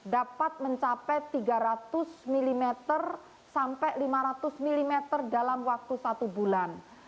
dapat mencapai tiga ratus mm sampai lima ratus mm dalam waktu satu bulan